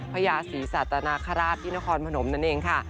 พญาศรีสัตนาคาราชที่นครพนมนั่นเองค่ะ